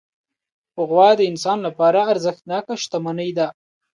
غوا د انسان لپاره ارزښتناکه شتمني ده.